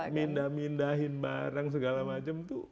jadi mindah mindahin barang segala macam itu